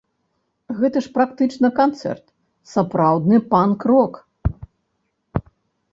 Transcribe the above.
Гэта ж практычна канцэрт, сапраўдны панк-рок.